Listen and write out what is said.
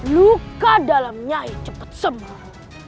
luka dalam nyai cepat sembuh